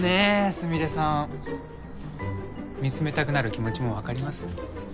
スミレさん見つめたくなる気持ちも分かります